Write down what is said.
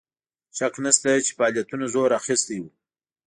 شک نسته چې فعالیتونو زور اخیستی وو.